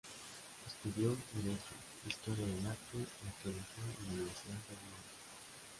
Estudió derecho, historia del arte y arqueología en la Universidad de Viena.